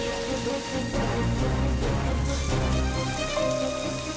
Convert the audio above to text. yang mempernikahkan dibatalin